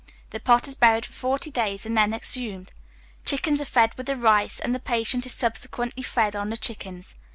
The pot is buried for forty days, and then exhumed. Chickens are fed with the rice, and the patient is subsequently fed on the chickens.